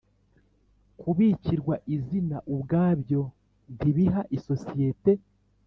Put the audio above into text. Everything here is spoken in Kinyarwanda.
Kubikirwa izina ubwabyo ntibiha isosiyete